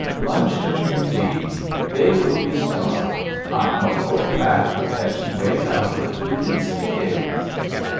Luncheon indeed! They will be starved. I know for a fact that she weighs out the food in scales.'